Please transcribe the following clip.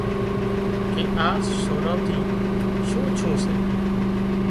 ڪي آ سوران ٿي شُون ڇُون سي